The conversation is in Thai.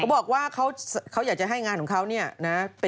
บอกว่าเขาอยากจะให้งานของเขาเนี่ยนะ